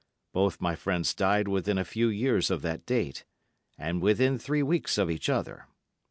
Both my friends died within a few years of that date, and within three weeks of each other.